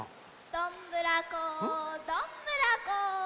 ・どんぶらこどんぶらこ。